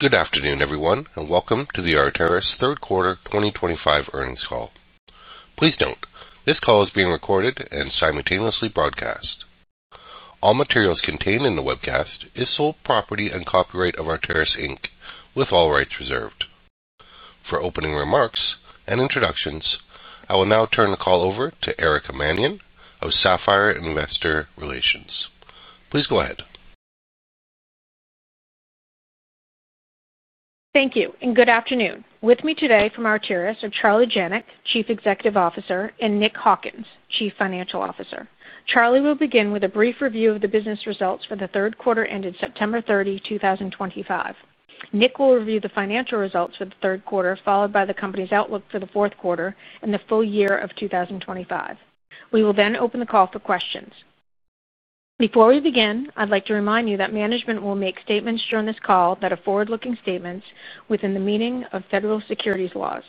Good afternoon, everyone, and welcome to the Arteris third quarter 2025 earnings call. Please note, this call is being recorded and simultaneously broadcast. All materials contained in the webcast are sole property and copyright of Arteris, Inc., with all rights reserved. For opening remarks and introductions, I will now turn the call over to Erica Mannion of Sapphire Investor Relations. Please go ahead. Thank you, and good afternoon. With me today from Arteris are Charlie Janac, Chief Executive Officer, and Nick Hawkins, Chief Financial Officer. Charlie will begin with a brief review of the business results for the third quarter ended September 30, 2025. Nick will review the financial results for the third quarter, followed by the company's outlook for the fourth quarter and the full year of 2025. We will then open the call for questions. Before we begin, I'd like to remind you that management will make statements during this call that are forward-looking statements within the meaning of federal securities laws.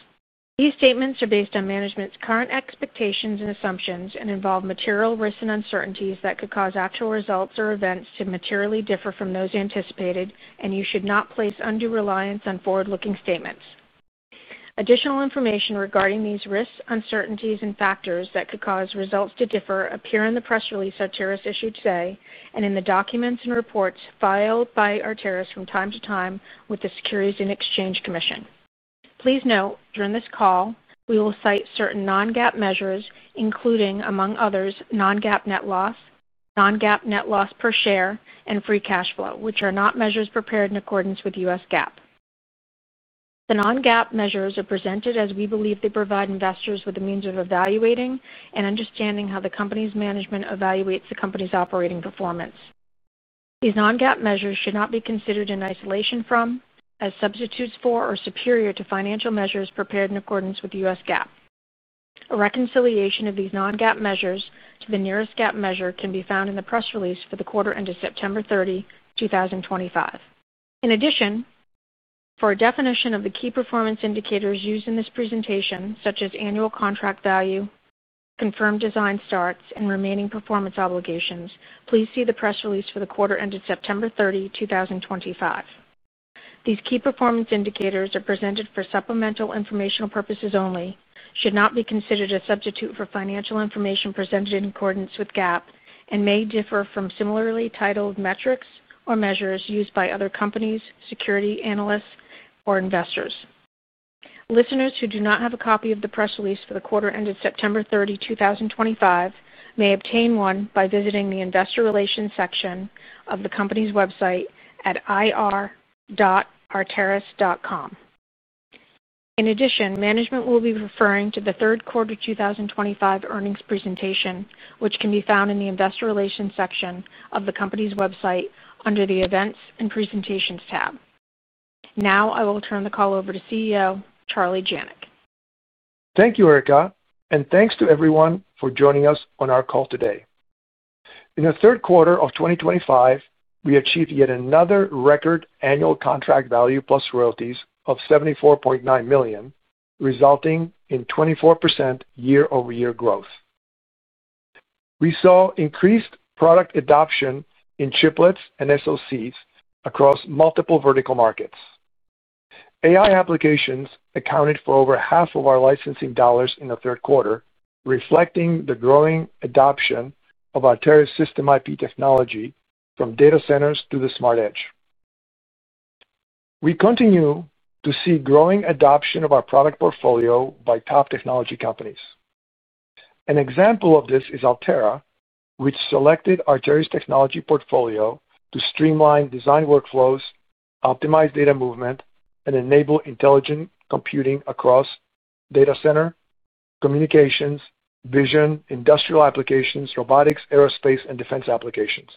These statements are based on management's current expectations and assumptions and involve material risks and uncertainties that could cause actual results or events to materially differ from those anticipated, and you should not place undue reliance on forward-looking statements. Additional information regarding these risks, uncertainties, and factors that could cause results to differ appears in the press release Arteris issued today and in the documents and reports filed by Arteris from time to time with the Securities and Exchange Commission. Please note, during this call, we will cite certain non-GAAP measures, including, among others, non-GAAP net loss, non-GAAP net loss per share, and free cash flow, which are not measures prepared in accordance with US GAAP. The non-GAAP measures are presented as we believe they provide investors with a means of evaluating and understanding how the company's management evaluates the company's operating performance. These non-GAAP measures should not be considered in isolation from, as substitutes for, or superior to financial measures prepared in accordance with US GAAP. A reconciliation of these non-GAAP measures to the nearest GAAP measure can be found in the press release for the quarter ended September 30, 2025. In addition, for a definition of the key performance indicators used in this presentation, such as annual contract value, confirmed design starts, and remaining performance obligations, please see the press release for the quarter ended September 30, 2025. These key performance indicators are presented for supplemental informational purposes only, should not be considered a substitute for financial information presented in accordance with GAAP, and may differ from similarly titled metrics or measures used by other companies, securities analysts, or investors. Listeners who do not have a copy of the press release for the quarter ended September 30, 2025, may obtain one by visiting the investor relations section of the company's website at ir.arteris.com. In addition, management will be referring to the third quarter 2025 earnings presentation, which can be found in the investor relations section of the company's website under the events and presentations tab. Now, I will turn the call over to CEO Charlie Janac. Thank you, Erica, and thanks to everyone for joining us on our call today. In the third quarter of 2025, we achieved yet another record annual contract value plus royalties of $74.9 million, resulting in 24% year-over-year growth. We saw increased product adoption in chiplets and SoCs across multiple vertical markets. AI applications accounted for over half of our licensing dollars in the third quarter, reflecting the growing adoption of Arteris System IP technology from data centers to the smart edge. We continue to see growing adoption of our product portfolio by top technology companies. An example of this is Altera, which selected Arteris technology portfolio to streamline design workflows, optimize data movement, and enable intelligent computing across data center, communications, vision, industrial applications, robotics, aerospace, and defense applications.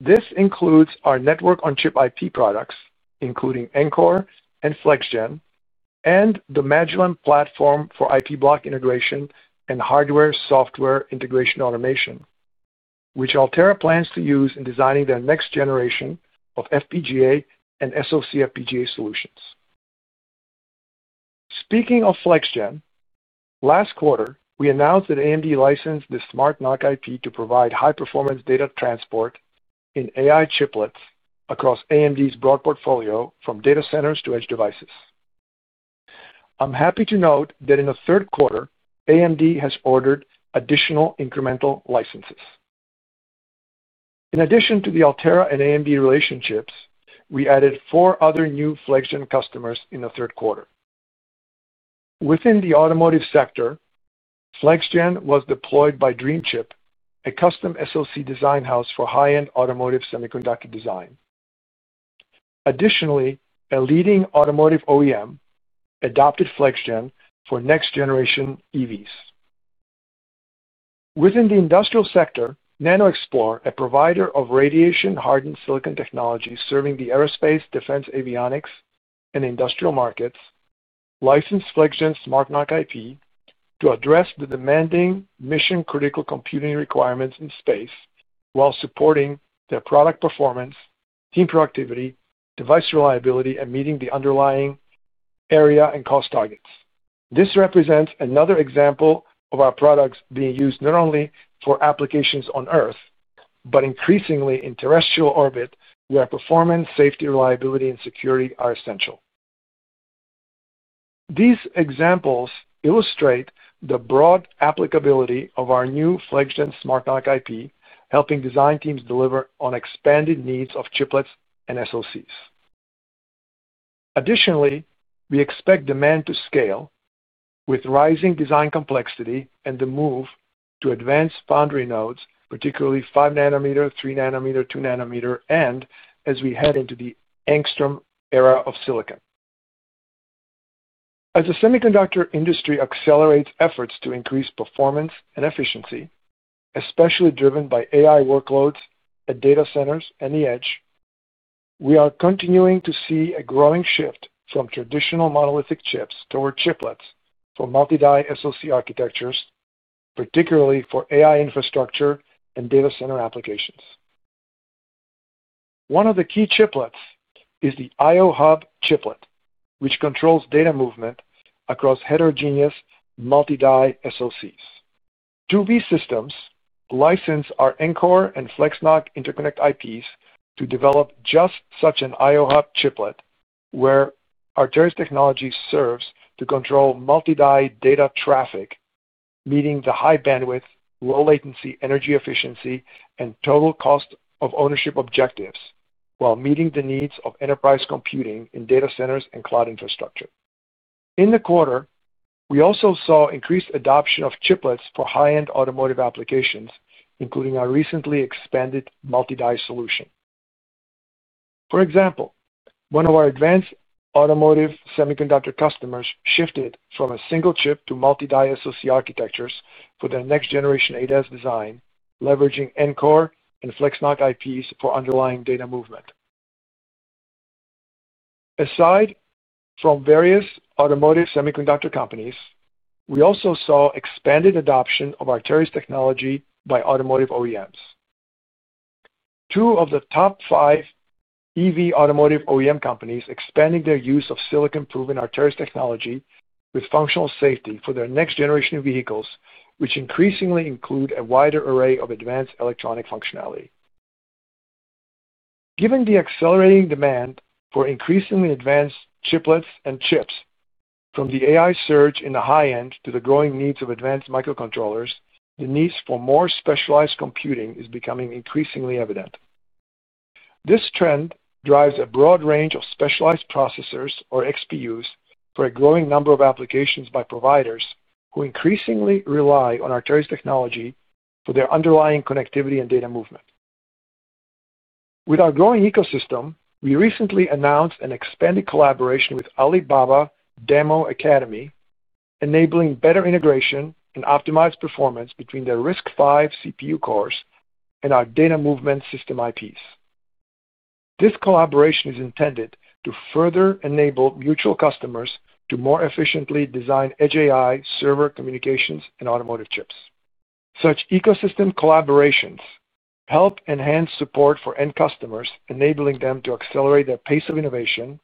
This includes our network-on-chip IP products, including Encore and FlexGen, and the Magillem platform for IP block integration and hardware-software integration automation, which Altera plans to use in designing their next generation of FPGA and SoC FPGA solutions. Speaking of FlexGen, last quarter, we announced that AMD licensed the smart NoC IP to provide high-performance data transport in AI chiplets across AMD's broad portfolio from data centers to edge devices. I'm happy to note that in the third quarter, AMD has ordered additional incremental licenses. In addition to the Altera and AMD relationships, we added four other new FlexGen customers in the third quarter. Within the automotive sector. FlexGen was deployed by Dream Chip, a custom SoC design house for high-end automotive semiconductor design. Additionally, a leading automotive OEM adopted FlexGen for next-generation EVs. Within the industrial sector, Nanoxplore, a provider of radiation-hardened silicon technology serving the aerospace, defense, avionics, and industrial markets, licensed FlexGen smart NoC IP to address the demanding mission-critical computing requirements in space while supporting their product performance, team productivity, device reliability, and meeting the underlying area and cost targets. This represents another example of our products being used not only for applications on Earth but increasingly in terrestrial orbit, where performance, safety, reliability, and security are essential. These examples illustrate the broad applicability of our new FlexGen smart NoC IP, helping design teams deliver on expanded needs of chiplets and SoCs. Additionally, we expect demand to scale with rising design complexity and the move to advanced boundary nodes, particularly 5 nm, 3 nm, 2 nm, and as we head into the Angstrom era of silicon. As the semiconductor industry accelerates efforts to increase performance and efficiency, especially driven by AI workloads at data centers and the edge. We are continuing to see a growing shift from traditional monolithic chips toward chiplets for multi-die SoC architectures, particularly for AI infrastructure and data center applications. One of the key chiplets is the IOHub chiplet, which controls data movement across heterogeneous multi-die SoCs. 2D systems licensed our Encore and FlexNoc Interconnect IPs to develop just such an IOHub chiplet, where Arteris Technology serves to control multi-die data traffic, meeting the high bandwidth, low latency, energy efficiency, and total cost of ownership objectives while meeting the needs of enterprise computing in data centers and cloud infrastructure. In the quarter, we also saw increased adoption of chiplets for high-end automotive applications, including our recently expanded multi-die solution. For example, one of our advanced automotive semiconductor customers shifted from a single chip to multi-die SoC architectures for their next-generation ADAS design, leveraging Ncore and FlexNoc IPs for underlying data movement. Aside from various automotive semiconductor companies, we also saw expanded adoption of Arteris technology by automotive OEMs. Two of the top five EV automotive OEM companies expanded their use of silicon-proven Arteris technology with functional safety for their next-generation vehicles, which increasingly include a wider array of advanced electronic functionality. Given the accelerating demand for increasingly advanced chiplets and chips, from the AI surge in the high end to the growing needs of advanced microcontrollers, the needs for more specialized computing are becoming increasingly evident. This trend drives a broad range of specialized processors, or XPUs, for a growing number of applications by providers who increasingly rely on Arteris technology for their underlying connectivity and data movement. With our growing ecosystem, we recently announced an expanded collaboration with Alibaba DAMO Academy, enabling better integration and optimized performance between their RISC-V CPU cores and our data movement system IPs. This collaboration is intended to further enable mutual customers to more efficiently design edge AI server communications and automotive chips. Such ecosystem collaborations help enhance support for end customers, enabling them to accelerate their pace of innovation,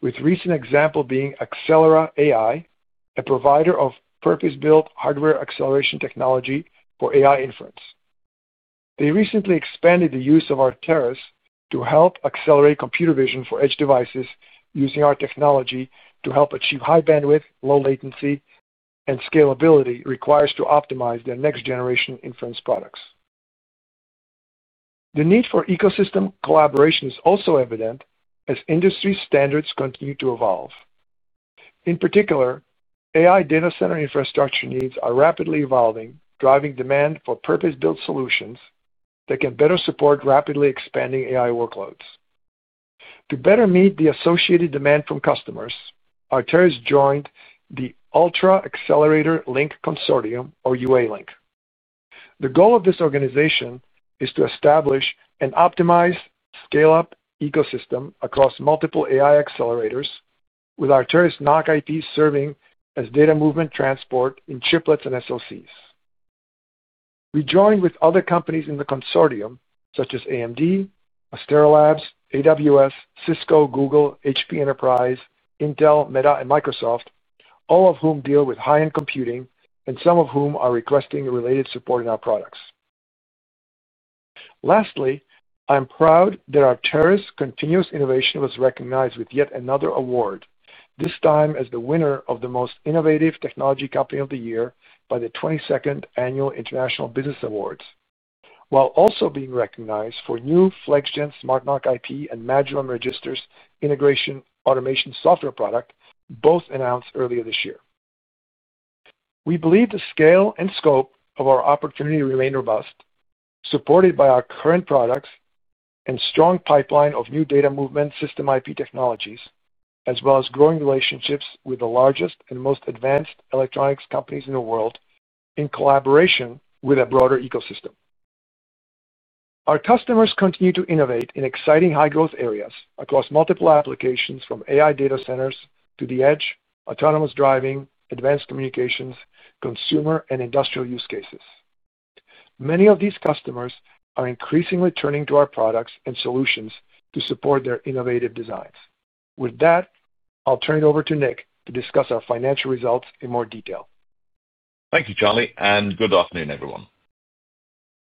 with a recent example being Axelera AI, a provider of purpose-built hardware acceleration technology for AI inference. They recently expanded the use of Arteris to help accelerate computer vision for edge devices using our technology to help achieve high bandwidth, low latency, and scalability required to optimize their next-generation inference products. The need for ecosystem collaboration is also evident as industry standards continue to evolve. In particular, AI data center infrastructure needs are rapidly evolving, driving demand for purpose-built solutions that can better support rapidly expanding AI workloads. To better meet the associated demand from customers, Arteris joined the UALink Consortium, or UALink. The goal of this organization is to establish an optimized scale-up ecosystem across multiple AI accelerators, with Arteris NoC IP serving as data movement transport in chiplets and SoCs. We joined with other companies in the consortium, such as AMD, Astera Labs, AWS, Cisco, Google, HP Enterprise, Intel, Meta, and Microsoft, all of whom deal with high-end computing and some of whom are requesting related support in our products. Lastly, I'm proud that Arteris' continuous innovation was recognized with yet another award, this time as the winner of the most innovative technology company of the year by the 22nd Annual International Business Awards, while also being recognized for new FlexGen smart NoC IP and Magillem Registers Integration Automation Software product, both announced earlier this year. We believe the scale and scope of our opportunity remain robust, supported by our current products and strong pipeline of new data movement system IP technologies, as well as growing relationships with the largest and most advanced electronics companies in the world in collaboration with a broader ecosystem. Our customers continue to innovate in exciting high-growth areas across multiple applications, from AI data centers to the edge, autonomous driving, advanced communications, consumer, and industrial use cases. Many of these customers are increasingly turning to our products and solutions to support their innovative designs. With that, I'll turn it over to Nick to discuss our financial results in more detail. Thank you, Charlie, and good afternoon, everyone.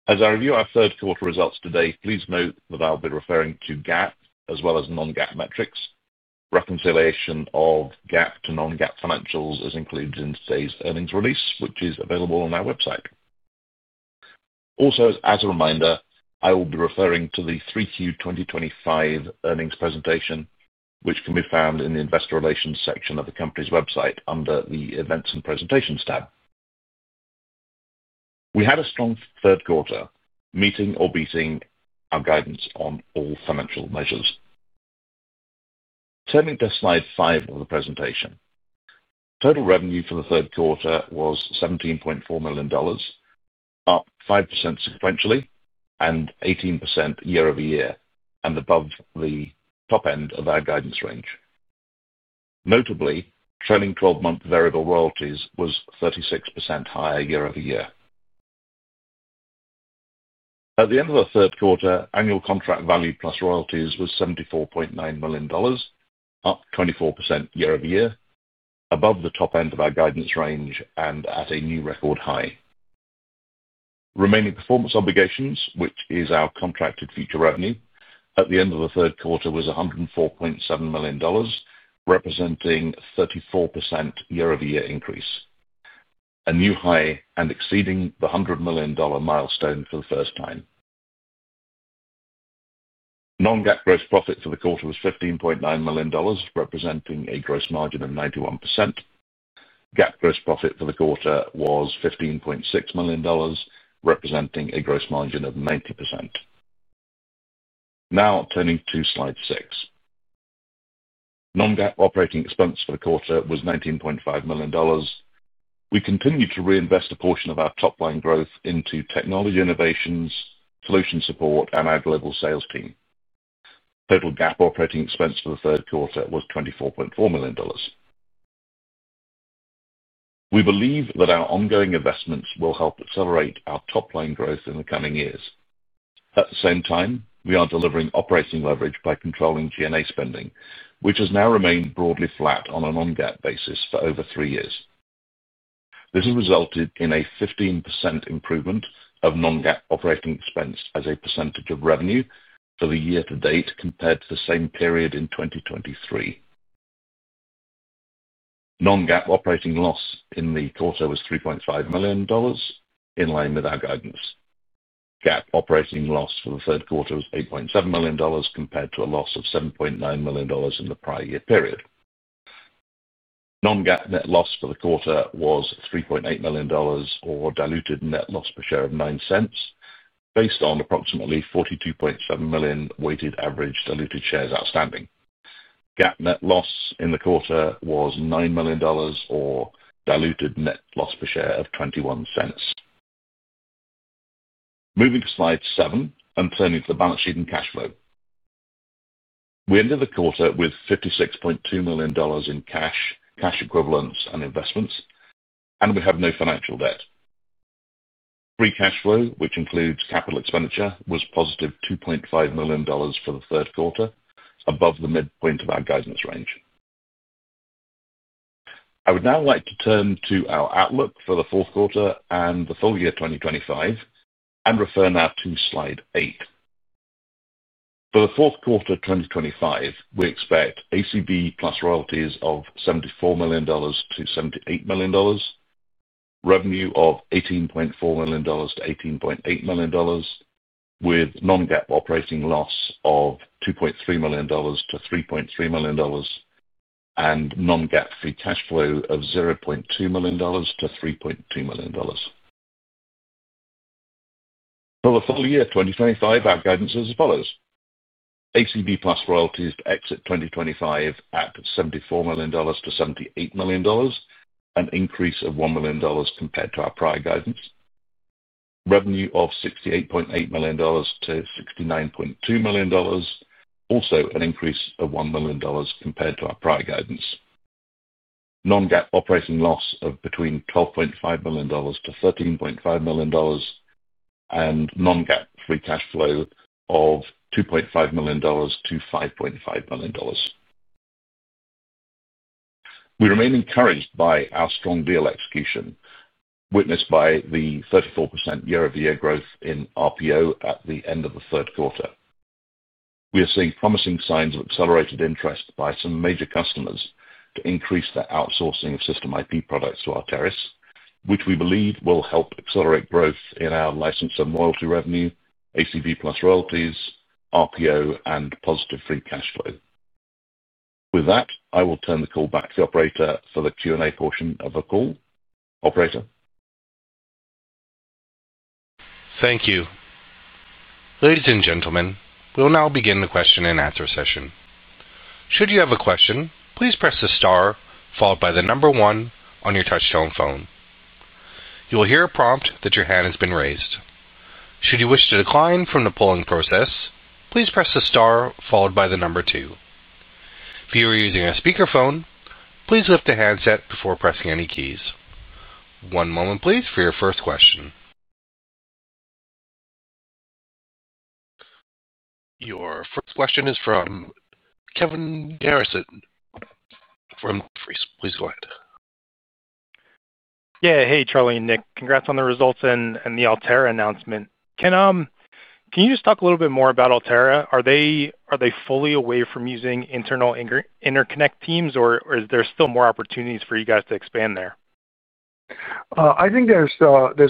As I review our third quarter results today, please note that I'll be referring to GAAP as well as non-GAAP metrics. Reconciliation of GAAP to non-GAAP financials is included in today's earnings release, which is available on our website. Also, as a reminder, I will be referring to the 3Q 2025 earnings presentation, which can be found in the investor relations section of the company's website under the events and presentations tab. We had a strong third quarter, meeting or beating our guidance on all financial measures. Turning to slide five of the presentation. Total revenue for the third quarter was $17.4 million. Up 5% sequentially and 18% year-over-year, and above the top end of our guidance range. Notably, trailing 12-month variable royalties was 36% higher year-over-year. At the end of the third quarter, annual contract value plus royalties was $74.9 million, up 24% year-over-year, above the top end of our guidance range and at a new record high. Remaining performance obligations, which is our contracted future revenue, at the end of the third quarter was $104.7 million, representing a 34% year-over-year increase. A new high and exceeding the $100 million milestone for the first time. Non-GAAP gross profit for the quarter was $15.9 million, representing a gross margin of 91%. GAAP gross profit for the quarter was $15.6 million, representing a gross margin of 90%. Now, turning to slide six. Non-GAAP operating expense for the quarter was $19.5 million. We continue to reinvest a portion of our top-line growth into technology innovations, solution support, and our global sales team. Total GAAP operating expense for the third quarter was $24.4 million. We believe that our ongoing investments will help accelerate our top-line growth in the coming years. At the same time, we are delivering operating leverage by controlling G&A spending, which has now remained broadly flat on a non-GAAP basis for over three years. This has resulted in a 15% improvement of non-GAAP operating expense as a percentage of revenue for the year to date compared to the same period in 2023. Non-GAAP operating loss in the quarter was $3.5 million, in line with our guidance. GAAP operating loss for the third quarter was $8.7 million compared to a loss of $7.9 million in the prior year period. Non-GAAP net loss for the quarter was $3.8 million, or diluted net loss per share of $0.09, based on approximately 42.7 million weighted average diluted shares outstanding. GAAP net loss in the quarter was $9 million, or diluted net loss per share of $0.21. Moving to slide seven and turning to the balance sheet and cash flow. We ended the quarter with $56.2 million in cash, cash equivalents, and investments, and we have no financial debt. Free cash flow, which includes capital expenditure, was +$2.5 million for the third quarter, above the midpoint of our guidance range. I would now like to turn to our outlook for the fourth quarter and the full year 2025 and refer now to slide eight. For the fourth quarter 2025, we expect ACV plus royalties of $74 million-$78 million. Revenue of $18.4 million-$18.8 million, with non-GAAP operating loss of $2.3 million-$3.3 million, and non-GAAP free cash flow of $0.2 million-$3.2 million. For the full year 2025, our guidance is as follows. ACV plus royalties to exit 2025 at $74 million-$78 million, an increase of $1 million compared to our prior guidance. Revenue of $68.8 million-$69.2 million, also an increase of $1 million compared to our prior guidance. Non-GAAP operating loss of between $12.5 million-$13.5 million, and non-GAAP free cash flow of $2.5 million-$5.5 million. We remain encouraged by our strong deal execution, witnessed by the 34% year-over-year growth in RPO at the end of the third quarter. We are seeing promising signs of accelerated interest by some major customers to increase their outsourcing of system IP products to Arteris, which we believe will help accelerate growth in our license and royalty revenue, ACV plus royalties, RPO, and positive free cash flow. With that, I will turn the call back to the operator for the Q&A portion of the call. Operator. Thank you. Ladies and gentlemen, we'll now begin the question-and-answer session. Should you have a question, please press the star followed by the number one on your touch-tone phone. You will hear a prompt that your hand has been raised. Should you wish to decline from the polling process, please press the star followed by the number two. If you are using a speakerphone, please lift the handset before pressing any keys. One moment, please, for your first question. Your first question is from Kevin Garrigan from Jefferies. Please go ahead. Yeah, hey, Charlie and Nick. Congrats on the results and the Altera announcement. Can you just talk a little bit more about Altera? Are they fully away from using internal interconnect teams, or is there still more opportunities for you guys to expand there? I think there's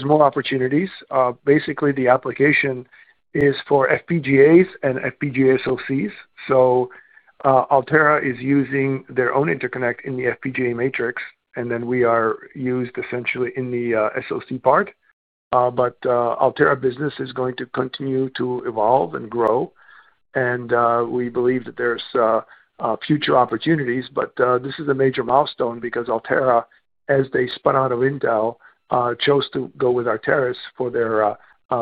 more opportunities. Basically, the application is for FPGAs and FPGA SoCs. So. Altera is using their own interconnect in the FPGA matrix, and then we are used essentially in the SoC part. But Altera business is going to continue to evolve and grow, and we believe that there's future opportunities. But this is a major milestone because Altera, as they spun out of Intel, chose to go with Arteris for their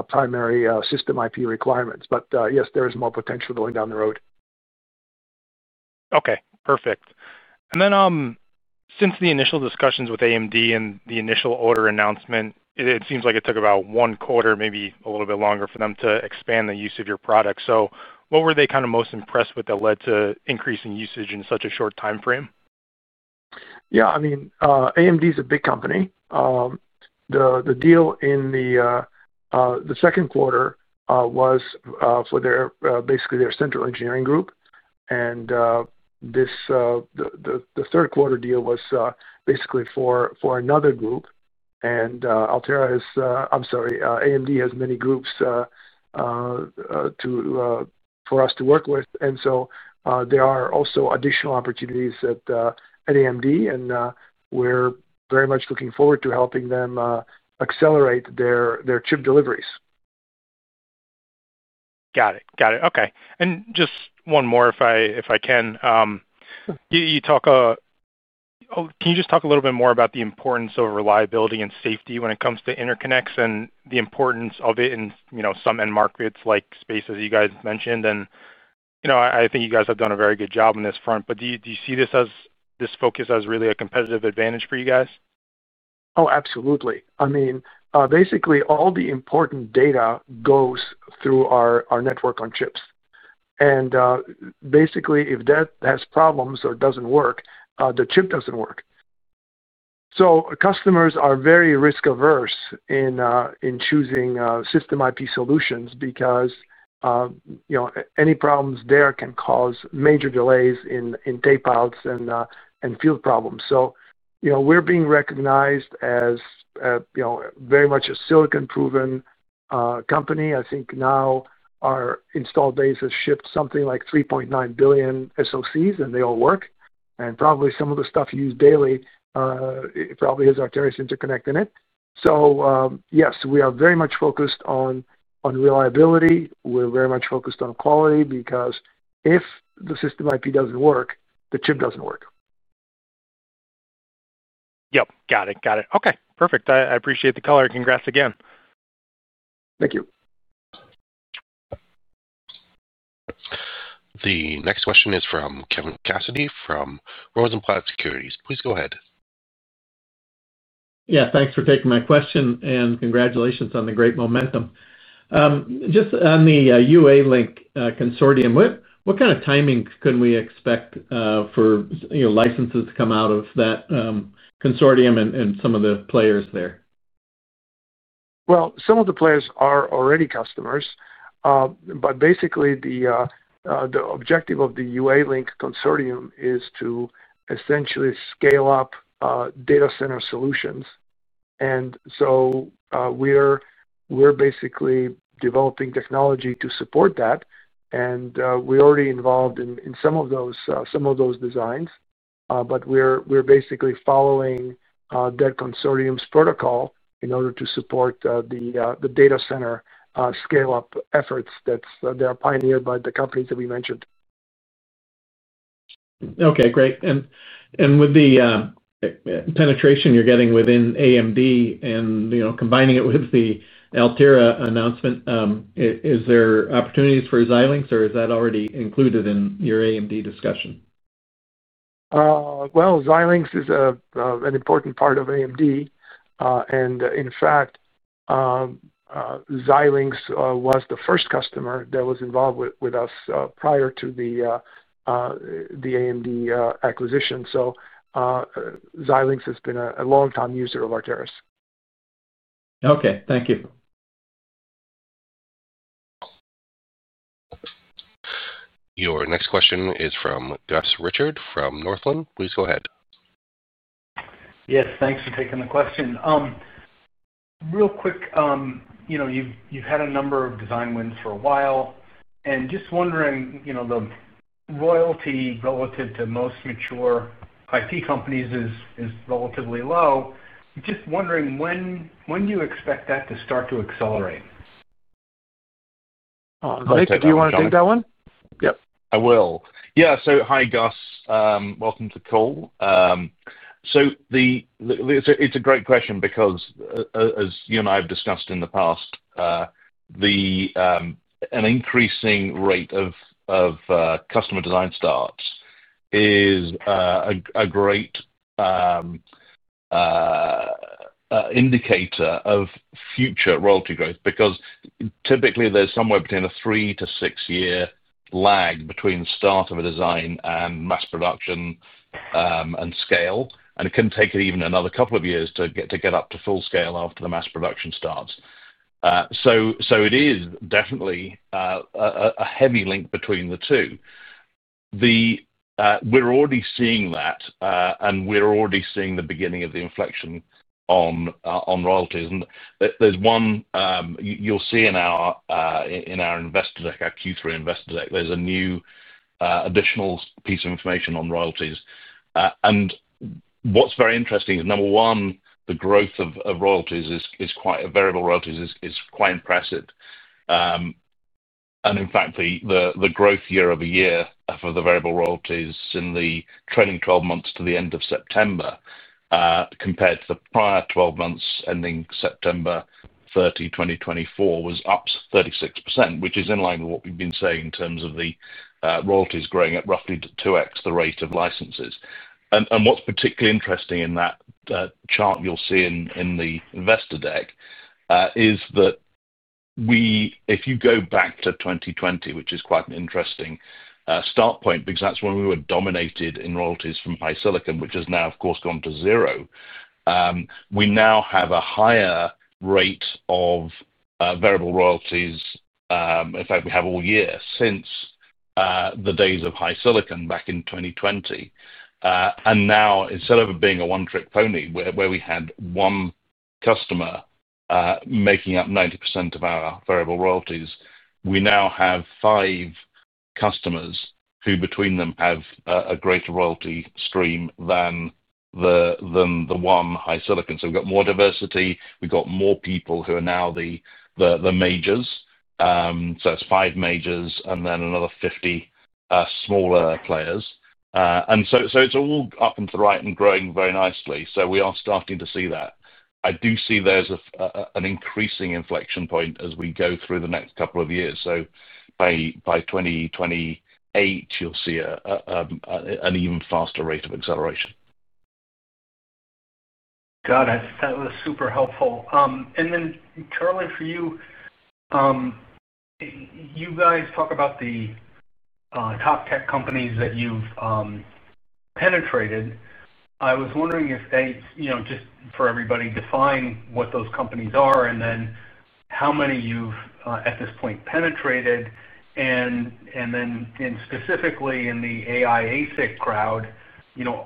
primary system IP requirements. But yes, there is more potential going down the road. Okay. Perfect. And then, since the initial discussions with AMD and the initial order announcement, it seems like it took about one quarter, maybe a little bit longer, for them to expand the use of your product. So what were they kind of most impressed with that led to increasing usage in such a short time frame? Yeah. I mean, AMD is a big company. The deal in the second quarter was for basically their central engineering group. And the third quarter deal was basically for another group. And Altera has, I'm sorry, AMD has many groups for us to work with. And so there are also additional opportunities at AMD, and we're very much looking forward to helping them accelerate their chip deliveries. Got it. Got it. Okay. And just one more, if I can. Can you just talk a little bit more about the importance of reliability and safety when it comes to interconnects and the importance of it in some end markets like spaces you guys mentioned? And I think you guys have done a very good job on this front, but do you see this focus as really a competitive advantage for you guys? Oh, absolutely. I mean, basically, all the important data goes through our network on chips. And basically, if that has problems or doesn't work, the chip doesn't work. So customers are very risk-averse in choosing system IP solutions because any problems there can cause major delays in tape-outs and field problems. So we're being recognized as very much a silicon-proven company. I think now our installed base has shipped something like 3.9 billion SoCs, and they all work. And probably some of the stuff used daily probably has Arteris interconnect in it. So yes, we are very much focused on reliability. We're very much focused on quality because if the system IP doesn't work, the chip doesn't work. Yep. Got it. Got it. Okay. Perfect. I appreciate the color. Congrats again. Thank you. The next question is from Kevin Cassidy from Rosenblatt Securities. Please go ahead. Yeah. Thanks for taking my question, and congratulations on the great momentum. Just on the UALink Consortium, what kind of timing can we expect for licenses to come out of that consortium and some of the players there? Well, some of the players are already customers. But basically, the objective of the UALink Consortium is to essentially scale up data center solutions. And so we're basically developing technology to support that. And we're already involved in some of those designs, but we're basically following that consortium's protocol in order to support the data center scale-up efforts that are pioneered by the companies that we mentioned. Okay. Great. And with the penetration you're getting within AMD and combining it with the Altera announcement, is there opportunities for Xilinx, or is that already included in your AMD discussion? Xilinx is an important part of AMD. In fact, Xilinx was the first customer that was involved with us prior to the AMD acquisition. Xilinx has been a long-time user of Arteris. Okay. Thank you. Your next question is from Gus Richard from Northland. Please go ahead. Yes. Thanks for taking the question. Real quick. You've had a number of design wins for a while, and just wondering, the royalty relative to most mature IP companies is relatively low. Just wondering, when do you expect that to start to accelerate? Nick, do you want to take that one? Yep. I will. Yeah, so hi, Gus. Welcome to the call. It's a great question because as you and I have discussed in the past, an increasing rate of customer design starts is a great indicator of future royalty growth because typically, there's somewhere between a three- to six-year lag between the start of a design and mass production and scale. And it can take even another couple of years to get up to full scale after the mass production starts. So it is definitely a heavy link between the two. We're already seeing that, and we're already seeing the beginning of the inflection on royalty. And there's one you'll see in our investor deck, our Q3 investor deck. There's a new additional piece of information on royalties. And what's very interesting is, number one, the growth of variable royalties is quite impressive. And in fact, the growth year over year for the variable royalties in the trailing 12 months to the end of September compared to the prior 12 months ending September 30, 2024, was up 36%, which is in line with what we've been saying in terms of the royalties growing at roughly 2x the rate of licenses. And what's particularly interesting in that chart you'll see in the investor deck is that if you go back to 2020, which is quite an interesting start point because that's when we were dominated in royalties from HiSilicon, which has now, of course, gone to zero. We now have a higher rate of variable royalties. In fact, higher than all years since the days of HiSilicon back in 2020. And now, instead of it being a one-trick pony, where we had one customer making up 90% of our variable royalties, we now have five customers who, between them, have a greater royalty stream than the one HiSilicon. So we've got more diversity. We've got more people who are now the majors. So it's five majors and then another 50 smaller players. And so it's all up and to the right and growing very nicely. So we are starting to see that. I do see there's an increasing inflection point as we go through the next couple of years. By 2028, you'll see an even faster rate of acceleration. Got it. That was super helpful. And then, Charlie, for you. You guys talk about the top tech companies that you've penetrated. I was wondering if they, just for everybody, define what those companies are and then how many you've, at this point, penetrated. And then specifically in the AI ASIC crowd,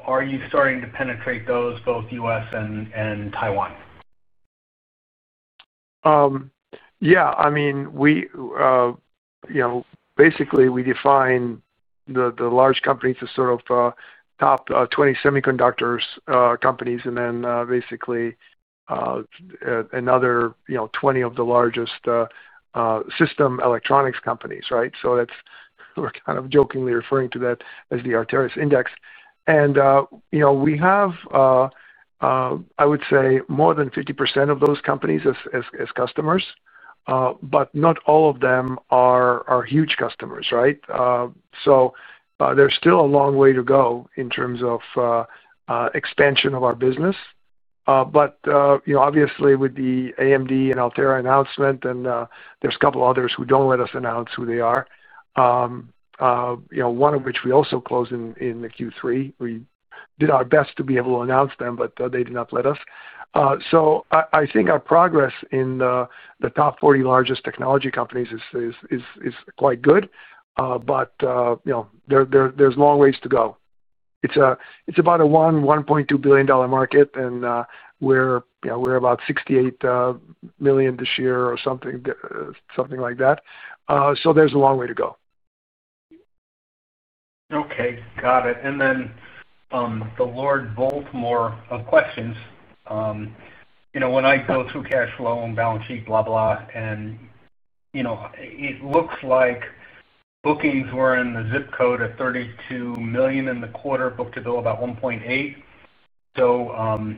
are you starting to penetrate those, both U.S. and Taiwan? Yeah. I mean, basically, we define the large companies as sort of top 20 semiconductor companies and then basically another 20 of the largest system electronics companies, right? So we're kind of jokingly referring to that as the Arteris index, and we have, I would say, more than 50% of those companies as customers, but not all of them are huge customers, right? So there's still a long way to go in terms of expansion of our business. But obviously, with the AMD and Altera announcement, and there's a couple others who don't let us announce who they are, one of which we also closed in the Q3. We did our best to be able to announce them, but they did not let us. So I think our progress in the top 40 largest technology companies is quite good, but there's a long way to go. It's about a $1.2 billion market, and we're about $68 million this year or something like that. So there's a long way to go. Okay. Got it. And then the floor's open for more questions. When I go through cash flow and balance sheet, blah, blah, and it looks like bookings were in the ZIP code of $32 million in the quarter, book-to-bill about $1.8 million. So.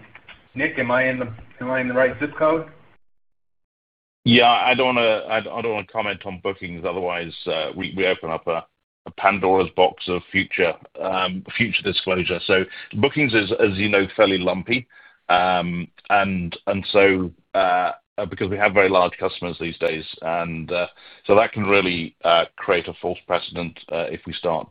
Nick, am I in the right ZIP code? Yeah. I don't want to comment on bookings. Otherwise, we open up a Pandora's box of future disclosure. So bookings is, as you know, fairly lumpy. And so, because we have very large customers these days, and so that can really create a false precedent if we start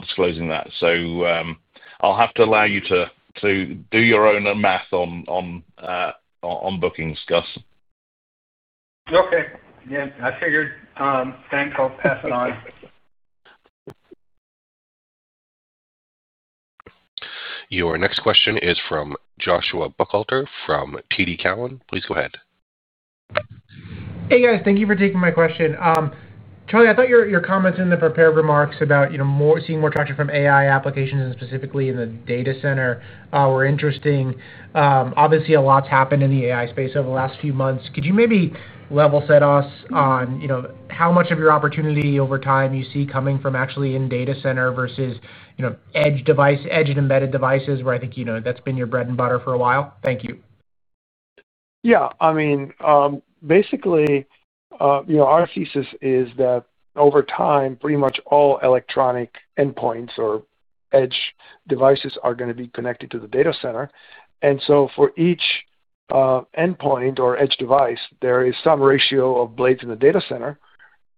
disclosing that. So, I'll have to allow you to do your own math on bookings, Gus. Okay. Yeah. I figured. Thanks. I'll pass it on. Your next question is from Joshua Buchalter from TD Cowen. Please go ahead. Hey, guys. Thank you for taking my question. Charlie, I thought your comments in the prepared remarks about seeing more traction from AI applications and specifically in the data center were interesting. Obviously, a lot's happened in the AI space over the last few months. Could you maybe level set us on how much of your opportunity over time you see coming from actually in data center versus edge device, edge and embedded devices, where I think that's been your bread and butter for a while? Thank you. Yeah. I mean, basically. Our thesis is that over time, pretty much all electronic endpoints or edge devices are going to be connected to the data center. And so for each endpoint or edge device, there is some ratio of blades in the data center.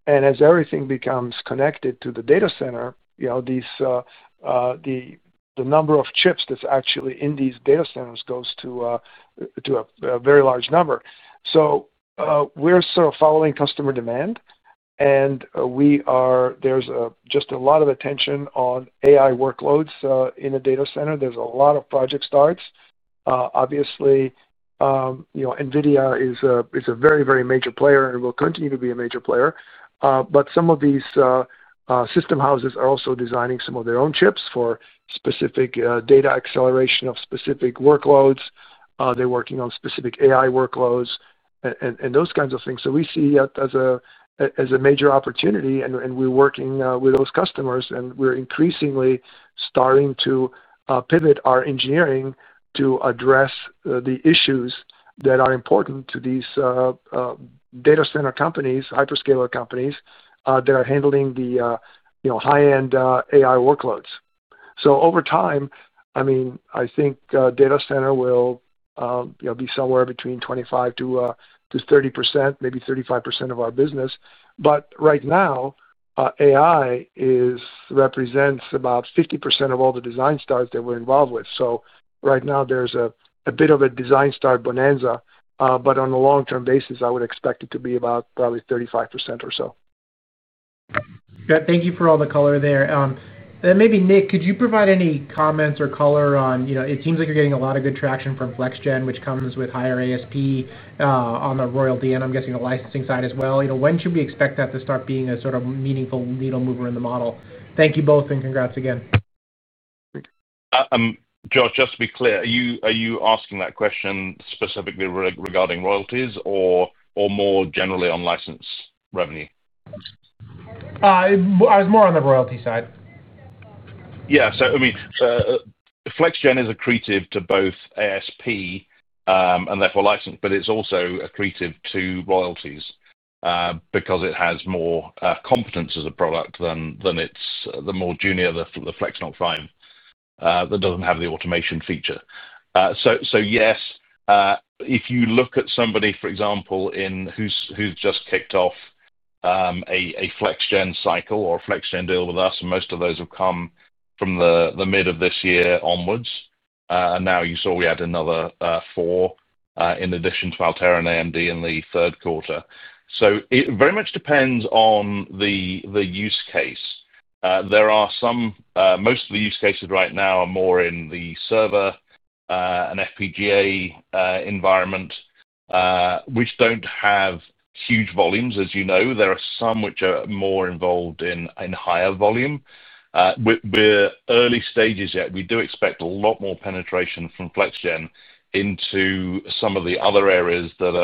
And as everything becomes connected to the data center, the number of chips that's actually in these data centers goes to a very large number. So we're sort of following customer demand, and there's just a lot of attention on AI workloads in a data center. There's a lot of project starts. Obviously. NVIDIA is a very, very major player and will continue to be a major player. But some of these system houses are also designing some of their own chips for specific data acceleration of specific workloads. They're working on specific AI workloads and those kinds of things. So we see it as a major opportunity, and we're working with those customers, and we're increasingly starting to pivot our engineering to address the issues that are important to these data center companies, hyperscaler companies that are handling the high-end AI workloads. So over time, I mean, I think data center will be somewhere between 25%-30%, maybe 35% of our business. But right now, AI represents about 50% of all the design starts that we're involved with. So right now, there's a bit of a design start bonanza, but on a long-term basis, I would expect it to be about probably 35% or so. Thank you for all the color there, and maybe, Nick, could you provide any comments or color on, it seems like you're getting a lot of good traction from FlexGen, which comes with higher ASP on the royalty and I'm guessing the licensing side as well. When should we expect that to start being a sort of meaningful needle mover in the model? Thank you both, and congrats again. Josh, just to be clear, are you asking that question specifically regarding royalties or more generally on license revenue? I was more on the royalty side. Yeah. So I mean, FlexGen is accretive to both ASP and therefore license, but it's also accretive to royalties because it has more components as a product than the more junior NoC, the FlexNoC 5 that doesn't have the automation feature. So yes, if you look at somebody, for example, who's just kicked off a FlexGen cycle or a FlexGen deal with us, and most of those have come from the mid of this year onwards. And now you saw we had another four in addition to Altera and AMD in the third quarter. So it very much depends on the use case. There are some, most of the use cases right now are more in the server and FPGA environment, which don't have huge volumes, as you know. There are some which are more involved in higher volume. We're early stages yet. We do expect a lot more penetration from FlexGen into some of the other areas that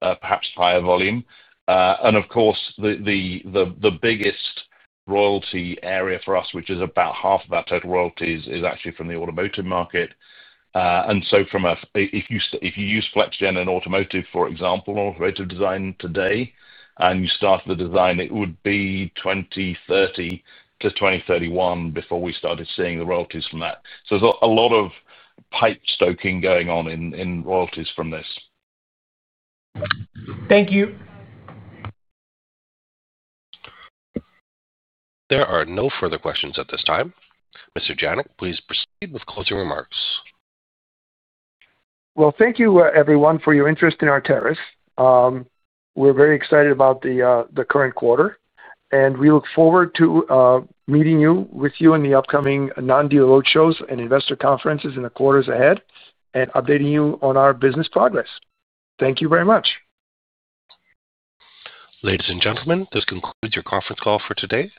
are perhaps higher volume. And of course, the biggest royalty area for us, which is about half of our total royalties, is actually from the automotive market. And so if you use FlexGen in automotive, for example, or automotive design today, and you start the design, it would be 2030-2031 before we started seeing the royalties from that. So there's a lot of pipeline stoking going on in royalties from this. Thank you. There are no further questions at this time. Mr. Janac, please proceed with closing remarks. Thank you, everyone, for your interest in Arteris. We're very excited about the current quarter, and we look forward to meeting you in the upcoming non-deal roadshows and investor conferences in the quarters ahead and updating you on our business progress. Thank you very much. Ladies and gentlemen, this concludes your conference call for today.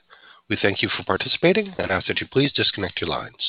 We thank you for participating and ask that you please disconnect your lines.